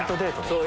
そう！